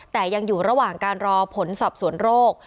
แต่ยังอยู่ระหว่างการรอผลสอบสวนโรค